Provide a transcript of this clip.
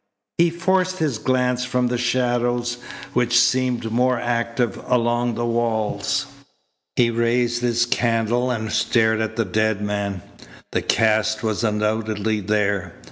He forced his glance from the shadows which seemed more active along the walls. He raised his candle and stared at the dead man. The cast was undoubtedly there.